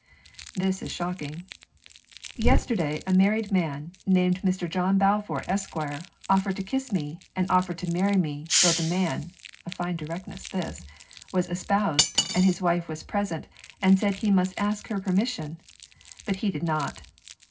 This is shocking: "Yesterday a marrade man, named Mr. John Balfour, Esq., offered to kiss me, and offered to marry me, though the man" (a fine directness this!) "was espused, and his wife was present and said he must ask her permission; but he did not.